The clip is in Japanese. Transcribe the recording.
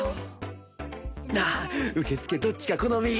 なあ受付どっちが好み？